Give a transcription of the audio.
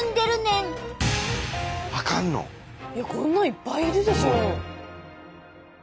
いやこんなんいっぱいいるでしょ。